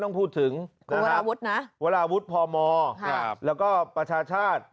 เดี๋ยวมีเซอร์ไพรส์ใช่